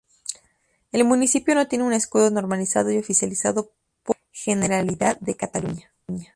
El municipio no tiene un escudo normalizado y oficializado por la Generalidad de Cataluña.